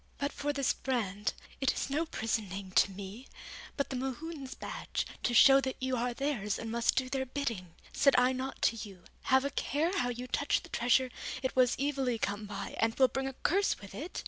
But for this brand, it is no prison name to me, but the Mohunes' badge, to show that you are theirs and must do their bidding. Said I not to you, Have a care how you touch the treasure, it was evilly come by and will bring a curse with it?